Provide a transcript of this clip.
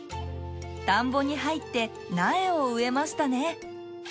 田んぼに入って苗を植えましたね。